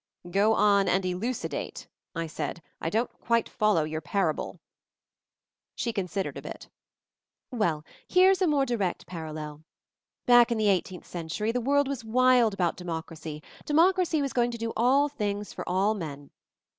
"Go on and elucidate," I said. "I don't quite follow your parable." She considered a bit. "Well, here's a more direct parallel. Back MOVING THE MOUNTAIN 41 in the 18th century, the world was wild about Democracy — Democracy was going to do all things for all men.